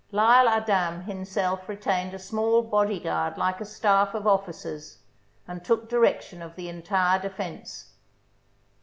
L'Isle Adam himself retained a small body guard like a staff of officers, and took direction of the entire defence.